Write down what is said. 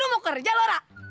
lu mau kerja laura